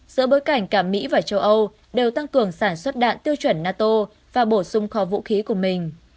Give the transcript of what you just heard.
giữa bối cảnh cả mỹ và châu âu đều tăng cường sản xuất đạn tiêu chuẩn nato và bổ sung kho vũ khí của mình